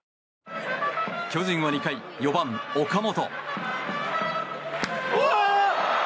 巨人は２回４番、岡本。